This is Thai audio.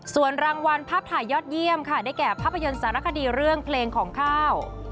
ส่วนรางวัลภาพถ่ายยอดเยี่ยมค่ะได้แก่ภาพยนตร์สารคดีเรื่องเพลงของข้าว